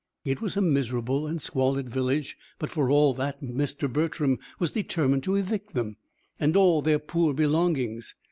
It was a miserable and squalid village, but for all that Mr. Bertram was determined to evict them and all their poor belongings.